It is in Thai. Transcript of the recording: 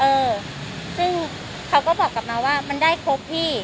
เออซึ่งเขาก็บอกกลับมาว่ามันได้ครบพี่